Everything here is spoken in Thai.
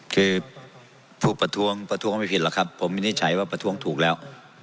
คือผู้ประท้วงประท้วงก็ไม่ผิดหรอกครับผมวินิจฉัยว่าประท้วงถูกแล้ว